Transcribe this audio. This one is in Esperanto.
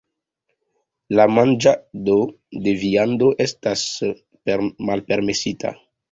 La manĝado de viando estis malpermesita.